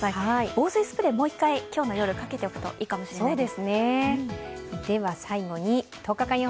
防水スプレー、もう一回今日の夜かけておくといいかもしれません。